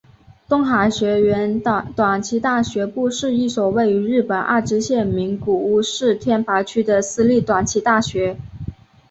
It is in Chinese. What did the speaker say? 东海学园短期大学部是一所位于日本爱知县名古屋市天白区的私立短期大学。